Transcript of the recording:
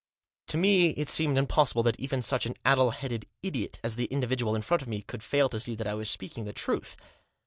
To me it seemed impossible that even such an addle headed idiot as the individual in front of me could fail to see that I was speaking the truth.